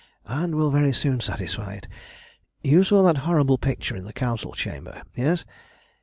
"And will very soon satisfy it. You saw that horrible picture in the Council chamber? Yes.